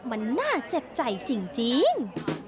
มันน่าเจ็บใจจริง